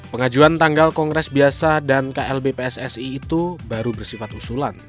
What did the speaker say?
pengajuan tanggal kongres biasa dan klb pssi itu baru bersifat usulan